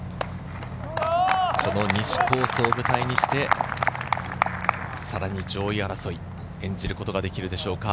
西コースを舞台にして、さらに上位争いを演じることができるでしょうか。